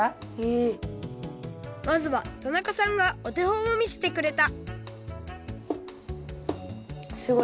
まずは田中さんがおてほんをみせてくれたすごい。